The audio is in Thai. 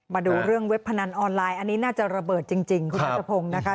มาดูเรื่องเว็บพนันออนไลน์อันนี้น่าจะระเบิดจริงคุณทัศพงศ์นะคะ